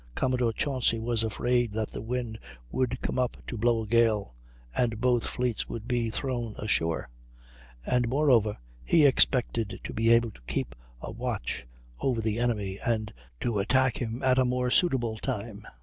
Commodore Chauncy was afraid that the wind would come up to blow a gale, and both fleets would be thrown ashore; and, moreover, he expected to be able to keep a watch over the enemy and to attack him at a more suitable time.